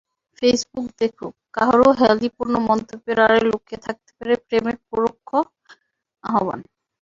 Facebook দেখুন—কারও হেঁয়ালিপূর্ণ মন্তব্যের আড়ালে লুকিয়ে থাকতে পারে প্রেমের পরোক্ষ আহ্বান।